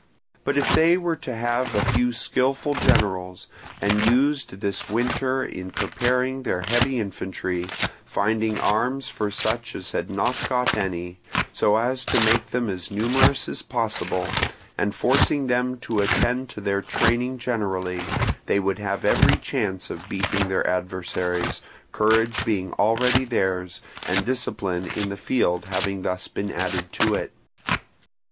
But if they were to have a few skilful generals, and used this winter in preparing their heavy infantry, finding arms for such as had not got any, so as to make them as numerous as possible, and forcing them to attend to their training generally, they would have every chance of beating their adversaries, courage being already theirs and discipline in the field having thus been added to it.